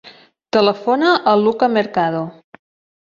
Telefona al Luka Mercado.